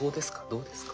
どうですか？